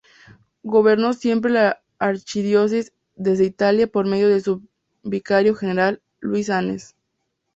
Gobernó siempre la archidiócesis desde Italia por medio de su vicario general, Luís Anes.